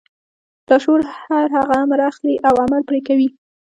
لاشعور هر هغه امر اخلي او عمل پرې کوي.